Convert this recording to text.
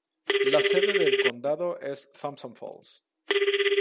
La sede del condado es Thompson Falls.